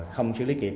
không xử lý kịp